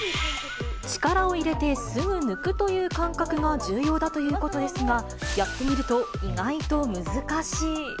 力を入れてすぐ抜くという感覚が重要だということですが、やってみると、意外と難しい。